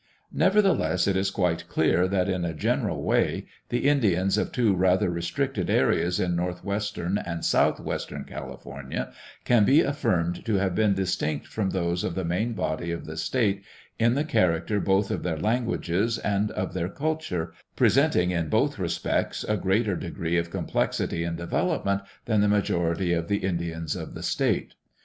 Nevertheless it is quite clear that in a general way the Indians of two rather restricted areas in northwestern and southwestern California can be affirmed to have been distinct from those of the main body of the state in the character both of their languages and of their culture, presenting in both respects a greater degree of complexity and development than the majority of the Indians of the state.